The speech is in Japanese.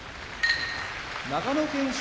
長野県出身